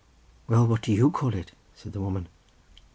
"Well, what do you call it?" said the woman.